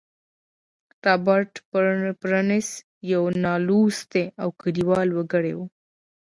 رابرټ برنس يو نالوستی او کليوال وګړی و.